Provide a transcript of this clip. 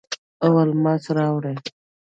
او الماس راوړي